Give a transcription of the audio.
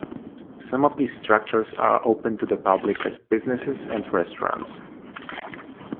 Some of these structures are open to the public as businesses and restaurants.